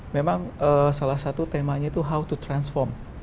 memang salah satu temanya itu how to transform